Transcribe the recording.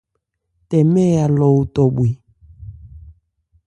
Tɛmɛ Alɔ otɔ bhwe.